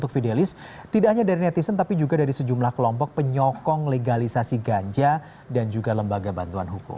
untuk fidelis tidak hanya dari netizen tapi juga dari sejumlah kelompok penyokong legalisasi ganja dan juga lembaga bantuan hukum